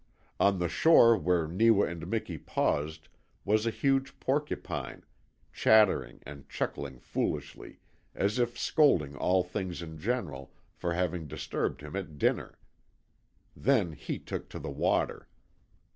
On the shore where Neewa and Miki paused was a huge porcupine, chattering and chuckling foolishly, as if scolding all things in general for having disturbed him at dinner. Then he took to the water.